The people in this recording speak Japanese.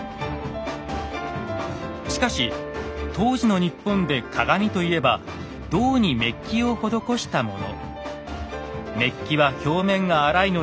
しかし当時の日本で鏡といえば銅にメッキを施したもの。